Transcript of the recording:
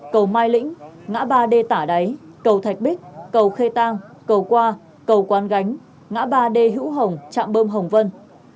cầu hai lĩnh ngã ba d tả đáy cầu thạch bích cầu khê tang cầu qua cầu quán gánh ngã ba d hữu hồng trạm bơm hồng vân